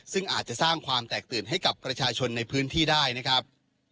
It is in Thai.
ซึ่งอาจจะสร้างความแตกตื่นให้กับประชาชนในพื้นที่ได้นะครับ